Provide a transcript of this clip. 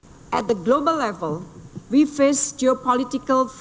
pada level global kita menghadapi krisis geopolitik